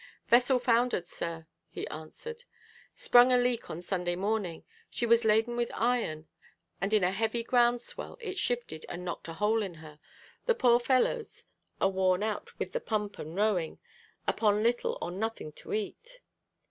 "Vessel foundered, sir," he answered. "Sprung a leak on Sunday morning. She was laden with iron, and in a heavy ground swell it shifted and knocked a hole in her. The poor fellows are worn out with the pump and rowing, upon little or nothing to eat."